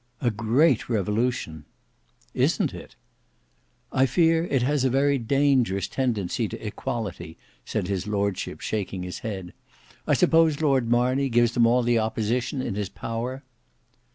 "A great revolution!" "Isn't it?" "I fear it has a very dangerous tendency to equality," said his lordship shaking his head; "I suppose Lord Marney gives them all the opposition in his power."